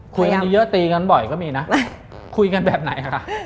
คุยกันเยอะตีกันบ่อยก็มีนะคุยกันแบบไหนคะ